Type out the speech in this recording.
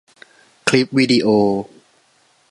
คลิปวีดิโอ